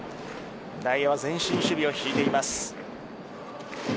外野は前進守備を敷いています。